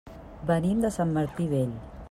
Venim de Sant Martí Vell.